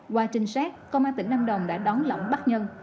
qua trình xét công an tỉnh lâm đồng đã đón lỏng bắt nhân